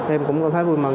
em cũng cảm thấy vui mừng